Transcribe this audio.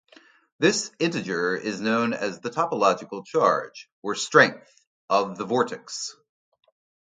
This integer is known as the topological charge, or strength, of the vortex.